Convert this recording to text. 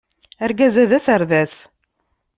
Argaz-a d aserdas.